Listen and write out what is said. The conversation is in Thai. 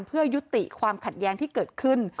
เพื่อยุติความขัดแย้งที่เกิดขึ้น